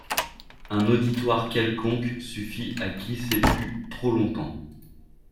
Un auditoire quelconque suffit à qui s'est tu trop longtemps.